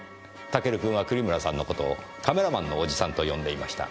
タケル君は栗村さんの事をカメラマンのおじさんと呼んでいました。